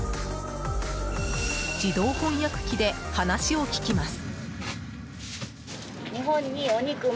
自動翻訳機で話を聞きます。